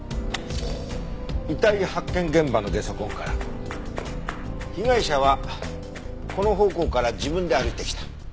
遺体発見現場のゲソ痕から被害者はこの方向から自分で歩いてきた。